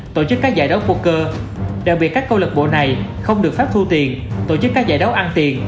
tổ chức các giải đấu poker đặc biệt các câu lật bộ này không được phép thu tiền tổ chức các giải đấu ăn tiền